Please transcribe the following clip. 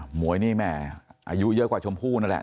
หวยนี่แม่อายุเยอะกว่าชมพู่นั่นแหละ